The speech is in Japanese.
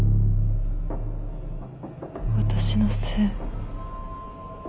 私のせい。